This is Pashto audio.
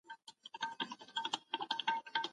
مکناتن هڅه وکړه چې ستونزې حل کړي.